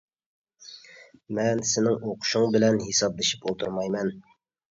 -مەن سېنىڭ ئوقۇشۇڭ بىلەن ھېسابلىشىپ ئولتۇرمايمەن.